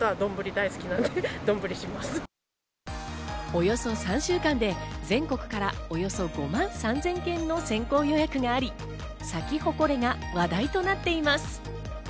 およそ３週間で全国からおよそ５万３０００件の先行予約があり、サキホコレが話題となっています。